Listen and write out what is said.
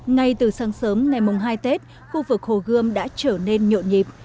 ngay từ sáng sớm ngày hai tết khu vực hồ gươm đã trở nên nhộn nhịp